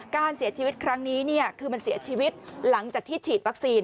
การเสียชีวิตครั้งนี้คือมันเสียชีวิตหลังจากที่ฉีดวัคซีน